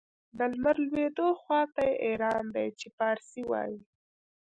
د لمر لوېدو خواته یې ایران دی چې پارسي وايي.